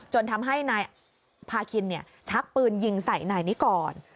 จนทำให้นายพาคินชักปืนยิงใส่นายนิกร